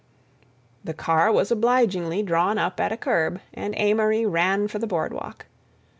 The car was obligingly drawn up at a curb, and Amory ran for the boardwalk.